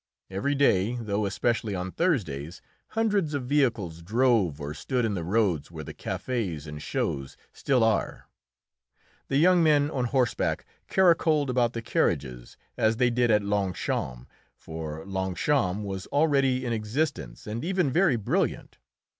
Every day, though especially on Thursdays, hundreds of vehicles drove or stood in the roads where the cafés and shows still are. The young men on horseback caracoled about the carriages, as they did at Longchamps, for Longchamps was already in existence and even very brilliant.